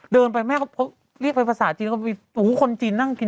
เดินไปแม่เขาเรียกไปภาษาจีนเขาไปโอ้โหคนจีนนั่งกิน